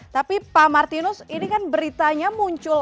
tapi pak martinus ini kan beritanya muncul